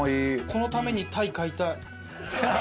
このために鯛買いたい。